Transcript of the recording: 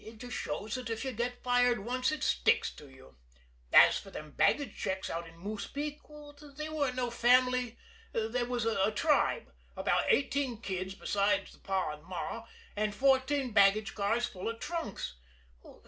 It just shows that if you get fired once it sticks to you. And as for them baggage checks out to Moose Peak, they weren't no family, they was a tribe, about eighteen kids besides the pa and ma, and fourteen baggage cars full of trunks.